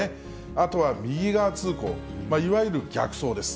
あとは右側通行、いわゆる逆走です。